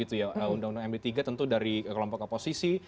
undang undang md tiga tentu dari kelompok oposisi